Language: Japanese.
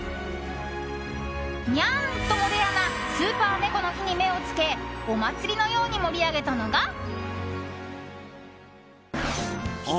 ニャンともレアなスーパー猫の日に目をつけお祭りのように盛り上げたのが。